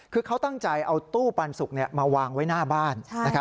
คือเขาตั้งใจเอาตู้ปันสุกมาวางไว้หน้าบ้าน